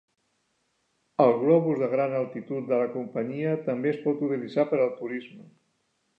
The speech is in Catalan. El globus de gran altitud de la companyia també es pot utilitzar per al turisme.